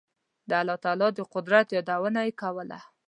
د الله تعالی د قدرت یادونه یې کوله.